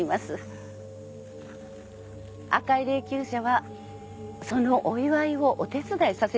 赤い霊きゅう車はそのお祝いをお手伝いさせていただくものです。